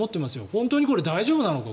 本当にこれ大丈夫なのか